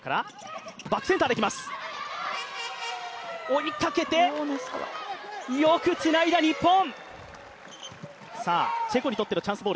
追いかけて、よくつないだ日本。